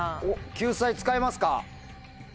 救済使いますか？